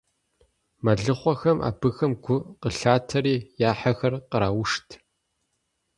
Мэлыхъуэхэм абыхэм гу къылъатэри, я хьэхэр къраушт.